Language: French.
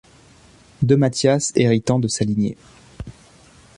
De Mathias héritant de sa lignée.